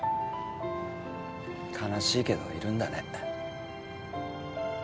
悲しいけどいるんだね。